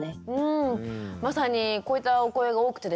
まさにこういったお声が多くてですね